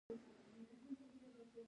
کارګران باید له خپل مزد زیات تولید وکړي